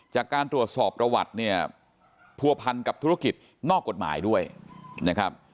จากการตรวจสอบประวัติเนี่ยผัวพันกับธุรกิจนอกกฎหมายด้วยนะครับ